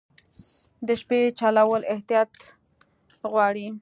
د شپې چلول احتیاط غواړي.